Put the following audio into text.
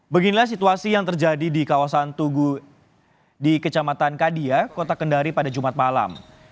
beginilah situasi yang terjadi di kawasan tugu di kecamatan kadia kota kendari pada jumat malam